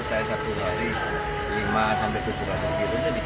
saya satu kali lima tujuh hari itu bisa sampai satu hari